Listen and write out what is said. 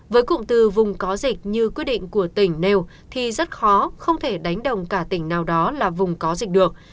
với cụm từ vùng có dịch như quyết định của tỉnh nêu thì rất khó không thể đánh đồng cả tỉnh nào đó là vùng có dịch được